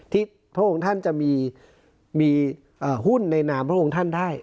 พระองค์ท่านจะมีหุ้นในนามพระองค์ท่านได้